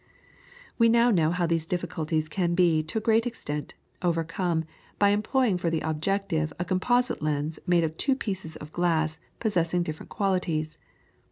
We now know how these difficulties can be, to a great extent, overcome, by employing for the objective a composite lens made of two pieces of glass possessing different qualities.